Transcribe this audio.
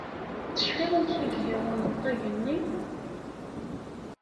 Tecfiḍ amek i iga umenṭag-nni?